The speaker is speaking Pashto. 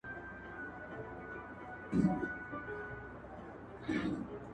• هغه خپل ځانګړی فورم لري او نثر يې له نورو څخه بېل رنګ لري..